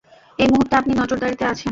এই মুহুর্তে আপনি নজরদারিতে আছেন।